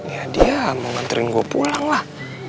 ya dia mau nganterin gue pulang lah